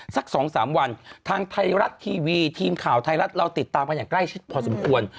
สัก๒๓วันทางไทยรัฐทีวีทีมข่าวไทยรัฐเราติดตามกันอย่างใกล้ชิดพอสมควร